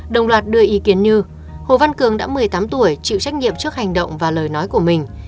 đồng loạt đưa ý kiến như hồ văn cường đã một mươi tám tuổi chịu trách nhiệm trước hành động và lời nói của mình